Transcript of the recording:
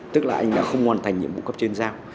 tức là anh đã không hoàn thành nhiệm vụ cấp trên giao